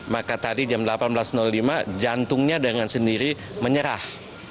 maka tadi jam delapan belas lima jantungnya dengan sendiri menyerah